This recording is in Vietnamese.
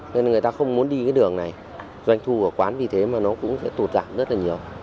nên là người ta không muốn đi cái đường này doanh thu của quán vì thế mà nó cũng sẽ tụt giảm rất là nhiều